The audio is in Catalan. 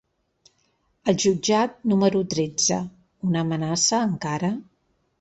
El jutjat número tretze: una amenaça, encara?